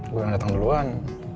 gue yang datang duluan